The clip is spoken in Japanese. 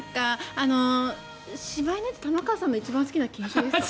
柴犬って玉川さんが一番好きな犬種ですか？